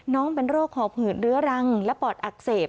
น้องเป็นโรคหอบหืดเรื้อรังและปอดอักเสบ